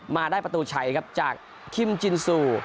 มาได้ประตูชัยครับจากคิมจินซู